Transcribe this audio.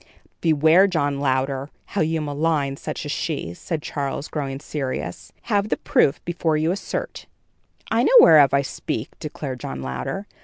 "Beware, John Louder, how you malign such as she," said Charles, growing serious. "Have the proof before you assert." "I know whereof I speak," declared John Louder.